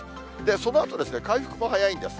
そのあと、回復も早いんです。